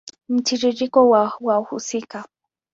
Mtiririko wa wahusika